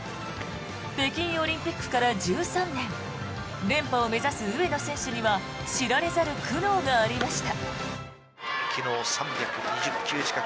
北京オリンピックから１３年連覇を目指す上野選手には知られざる苦悩がありました。